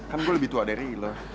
kan gue lebih tua dari i lo